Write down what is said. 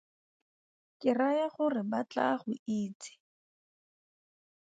Ke raya gore ba tla go itse.